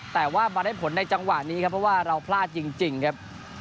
แต่ว่ามาได้ผลในจังหวะนี้ครับเพราะว่าเราพลาดจริงครับ